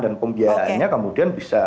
dan pembiayaannya kemudian bisa